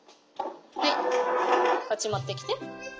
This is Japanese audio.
はいこっち持ってきて。